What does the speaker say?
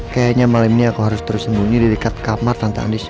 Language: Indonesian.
kayaknya malam ini aku harus terus sembunyi di dekat kamar tante andis